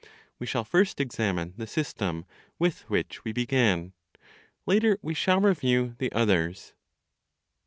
We shall first examine the system with which we began; later we shall review the others.